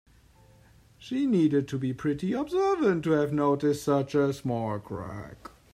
She needed to be pretty observant to have noticed such a small crack.